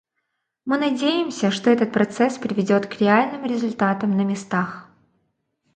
Мы надеемся, что этот процесс приведет к реальным результатам на местах.